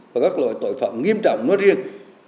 và các loại tội phạm nghiêm trọng nói riêng